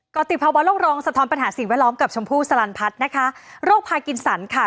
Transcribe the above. กรติภาวะโลกรองสะท้อนปัญหาสิ่งแวดล้อมกับชมพู่สลันพัฒน์นะคะโรคพากินสันค่ะ